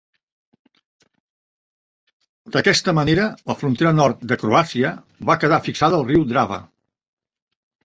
D'aquesta manera la frontera nord de Croàcia va quedar fixada al riu Drava.